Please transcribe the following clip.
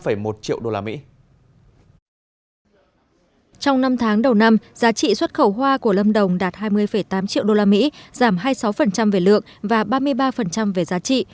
trong năm tháng đầu năm giá trị xuất khẩu hoa của lâm đồng đạt hai mươi tám triệu usd giảm hai mươi sáu về lượng và ba mươi ba về giá trị